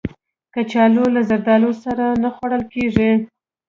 کچالو له زردالو سره نه خوړل کېږي